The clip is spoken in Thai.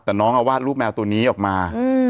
แต่น้องเอาวาดรูปแมวตัวนี้ออกมา